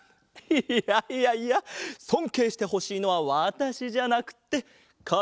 いやいやいやそんけいしてほしいのはわたしじゃなくてかげさ。